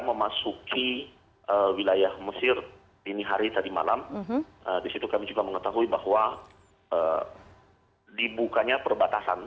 memasuki wilayah mesir dini hari tadi malam disitu kami juga mengetahui bahwa dibukanya perbatasan